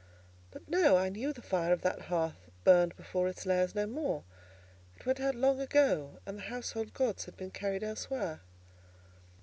But no; I knew the fire of that hearth burned before its Lares no more—it went out long ago, and the household gods had been carried elsewhere.